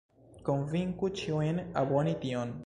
Konvinku ĉiujn aboni tion